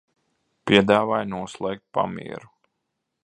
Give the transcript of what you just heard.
Piedāvāju noslēgt pamieru.